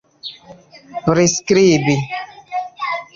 priskribi